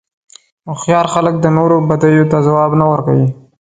هوښیار خلک د نورو بدیو ته ځواب نه ورکوي.